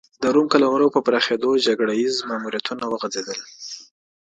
د روم قلمرو په پراخېدو جګړه ییز ماموریتونه وغځېدل